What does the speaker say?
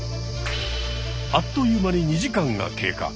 あっという間に２時間が経過。